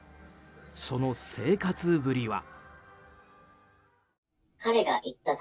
その生活ぶりは。